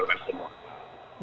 itu umur kita semua